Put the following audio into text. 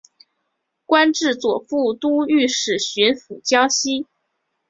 官至左副都御史巡抚江西。